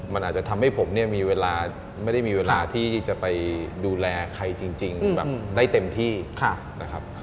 มันอาจจะทำให้ผมเนี่ยมีเวลาไม่ได้มีเวลาที่จะไปดูแลใครจริงแบบได้เต็มที่นะครับ